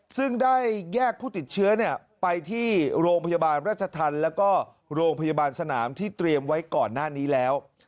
ซึ่งได้แยกผู้ติดเชื้อไปที่โรงพยาบาลราชธรรมแล้วก็โรงพยาบาลสนามที่เตรียมไว้ก่อนหน้านี้แล้ว